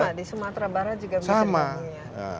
sama di sumatera barat juga bisa punya